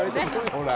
ほら。